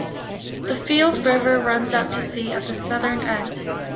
The Field River runs out to sea at the southern end.